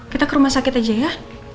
kita ke rumah sakit aja ya